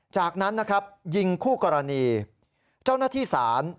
จากนั้นนะครับยิงคู่กรณีเจ้าหน้าที่ศาล